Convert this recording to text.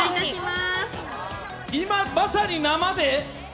今まさに生で？